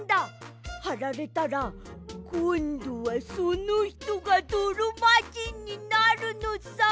はられたらこんどはそのひとがどろまじんになるのさ。